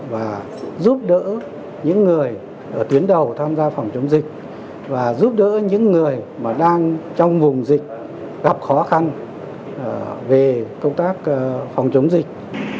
và giúp đỡ những người mà đang trong vùng dịch gặp khó khăn về công tác phòng chống dịch